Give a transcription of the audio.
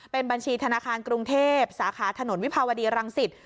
เป็นบัญชีธนาคารกรุงเทพสาขาถนนวิภาวดีรังสิต